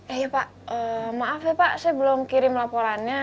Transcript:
eh pak maaf ya pak saya belum kirim laporannya